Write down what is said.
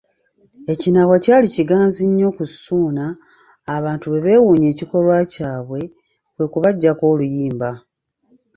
Ekinaawa kyali kiganzi nnyo ku Ssuuna, abantu bwe beewuunya ekikolwa kyabwe, kwe kubaggyako oluyimba.